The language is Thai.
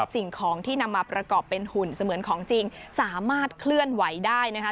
สิ่งของที่นำมาประกอบเป็นหุ่นเสมือนของจริงสามารถเคลื่อนไหวได้นะคะ